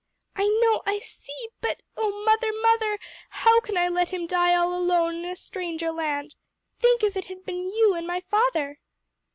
"I know! I see! but, O mother, mother! how can I let him die all alone in a stranger land? Think if it had been you and my father!"